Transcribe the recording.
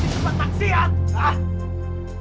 ini bukan sebuah taksian